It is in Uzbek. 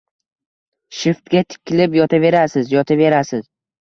Shiftga tikilib yotaverasiz, yotaverasiz...